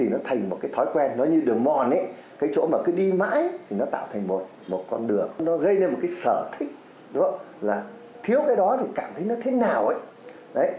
gây nên một cái sở thích là thiếu cái đó thì cảm thấy nó thế nào ấy